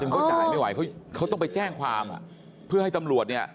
เขาจ่ายไม่ไหวเขาเขาต้องไปแจ้งความอ่ะเพื่อให้ตำรวจเนี่ย